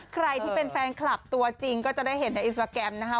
ใครที่เป็นแฟนคลับตัวจริงก็จะได้เห็นในอินสตราแกรมนะคะ